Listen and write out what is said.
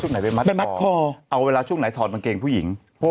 ช่วงไหนไปมัดทอเอาเวลาช่วงไหนถอดบางเกงผู้หญิงเพราะ